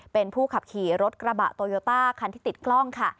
เป็นผู้ขับขี่รถกระบะโตโยต้าคันที่ติดกล้องค่ะ